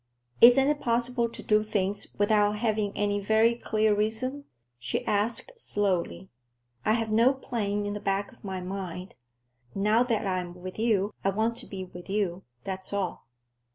"Isn't it possible to do things without having any very clear reason?" she asked slowly. "I have no plan in the back of my mind. Now that I'm with you, I want to be with you; that's all.